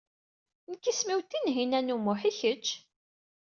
Nekk isem-iw Tinhinan u Muḥ, i kečč?